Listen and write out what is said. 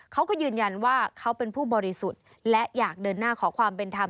เขาก็ยืนยันว่าเขาเป็นผู้บริสุทธิ์และอยากเดินหน้าขอความเป็นธรรม